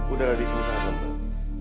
udara disini sangat lembek